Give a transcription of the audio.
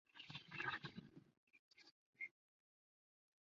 诺斯伍兹是位于美国亚利桑那州阿帕契县的一个非建制地区。